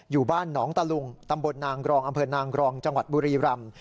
อยู่บ้านหนองตะลุงตำบลนางกรองอำเภอนางกรองจังหวัดบุรีรำ